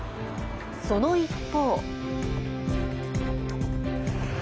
その一方。